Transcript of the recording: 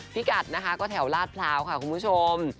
พี่กัดนะคะก็แถวลาดพร้าวค่ะคุณผู้ชม